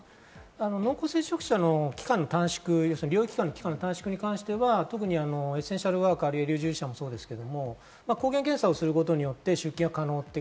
濃厚接触者の期間の短縮、療養期間の短縮については、特にエッセンシャルワーカー、医療従事者もそうですが、抗原検査をすることで出勤は可能です。